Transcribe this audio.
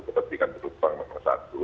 kepentingan penumpang nomor satu